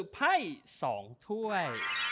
ภายสองท่วย